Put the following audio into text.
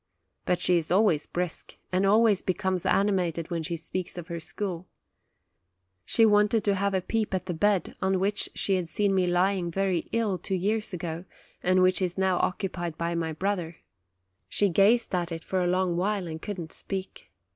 But she is always brisk, and always becomes animated when she speaks of her school. She wanted to have a peep at the bed on which she had seen me lying very ill two years ago, and which is now occupied by my brother; she gazed IN AN ATTIC at it for a while, and could not speak.